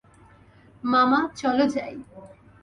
মামা, চলো যাই।